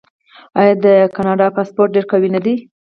آیا د کاناډا پاسپورت ډیر قوي نه دی؟